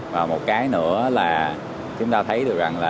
và một cái nữa là chúng ta thấy được rằng là